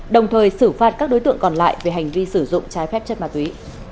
đồng thời xử phạt các đối tượng còn lại về hành vi sử dụng trái phép chất ma túy